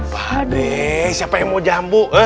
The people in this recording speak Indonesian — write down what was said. pak deh siapa yang mau jambu